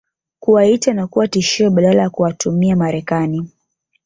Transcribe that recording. kuwaita na kuwa tishio badala ya kuwatumia Marekani